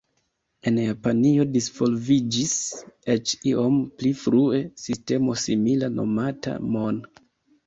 En Japanio disvolviĝis, eĉ iom pli frue, sistemo simila nomata "mon".